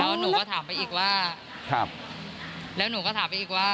ออกจากรองน้ำนั้นค่ะ